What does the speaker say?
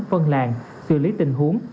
phân làng xử lý tình huống